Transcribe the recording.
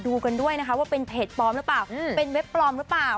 กันด้วยนะคะว่าเป็นเพจปลอมหรือเปล่าเป็นเว็บปลอมหรือเปล่า